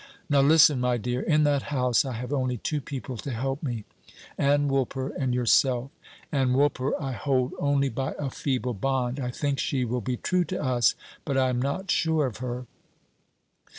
Now listen, my dear. In that house I have only two people to help me Ann Woolper and yourself. Ann Woolper I hold only by a feeble bond. I think she will be true to us; but I am not sure of her.